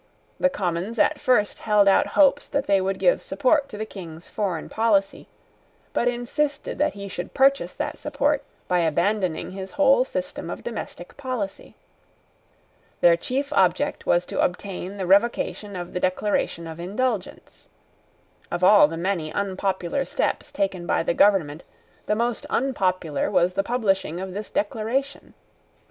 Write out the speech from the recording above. The Commons at first held out hopes that they would give support to the king's foreign policy, but insisted that he should purchase that support by abandoning his whole system of domestic policy. Their chief object was to obtain the revocation of the Declaration of Indulgence. Of all the many unpopular steps taken by the government the most unpopular was the publishing of this Declaration.